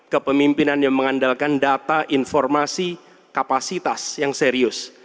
kepemimpinan yang mengandalkan data informasi kapasitas yang serius